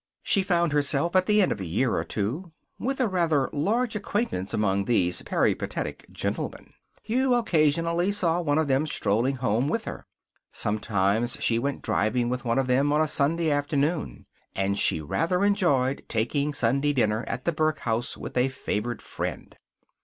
She found herself, at the end of a year or two, with a rather large acquaintance among these peripatetic gentlemen. You occasionally saw one of them strolling home with her. Sometimes she went driving with one of them of a Sunday afternoon. And she rather enjoyed taking Sunday dinner at the Burke Hotel with a favored friend.